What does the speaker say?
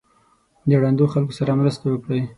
د ړندو خلکو سره مرسته وکړئ.